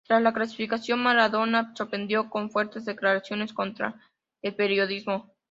Tras la clasificación, Maradona sorprendió con fuertes declaraciones contra el periodismo.